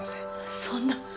そんな。